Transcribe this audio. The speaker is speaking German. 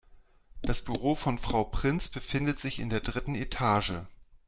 Das Büro von Frau Prinz befindet sich in der dritten Etage.